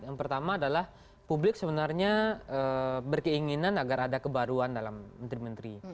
yang pertama adalah publik sebenarnya berkeinginan agar ada kebaruan dalam menteri menteri